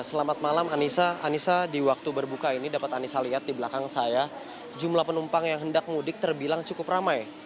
selamat malam anissa anissa di waktu berbuka ini dapat anissa lihat di belakang saya jumlah penumpang yang hendak mudik terbilang cukup ramai